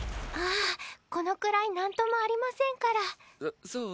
あこのくらい何ともありませんからそう？